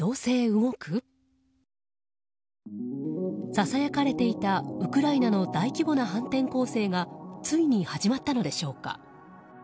ささやかれていたウクライナの大規模な反転攻勢がついに始まったのでしょうか。